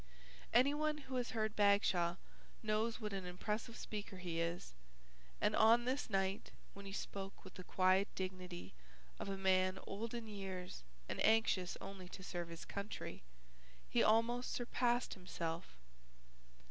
Anyone who has heard Bagshaw knows what an impressive speaker he is, and on this night when he spoke with the quiet dignity of a man old in years and anxious only to serve his country, he almost surpassed himself.